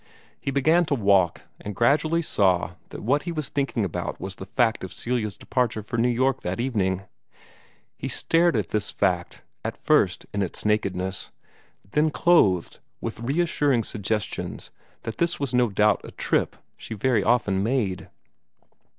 He began to walk, and gradually saw that what he was thinking about was the fact of Celia's departure for New York that evening. He stared at this fact, at first in its nakedness, then clothed with reassuring suggestions that this was no doubt a trip she very often made.